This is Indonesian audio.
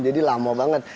jadi lama banget